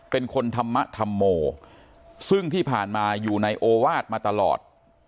เป็นคนธรรมธรรโมซึ่งที่ผ่านมาอยู่ในโอวาสมาตลอด